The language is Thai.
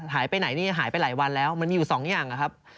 หายไปไหนนี่หายไปหลายวันแล้วมันมีอยู่สองอย่างนะครับ